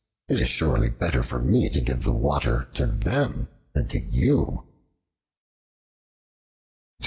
It is surely better for me to give the water to them than to you."